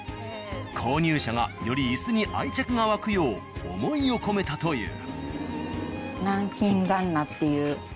購入者がより椅子に愛着が湧くよう思いを込めたという。